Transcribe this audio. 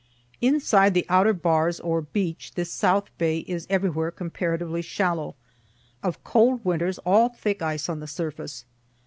Inside the outer bars or beach this south bay is everywhere comparatively shallow; of cold winters all thick ice on the surface.